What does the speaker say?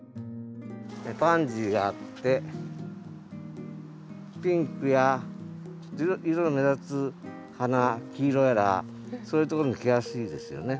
パンジーがあってピンクや色の目立つ花黄色やらそういうところに来やすいですよね。